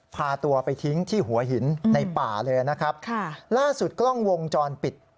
พาตัวไปทิ้งที่หัวหินในป่าเลยนะครับค่ะล่าสุดกล้องวงจรปิด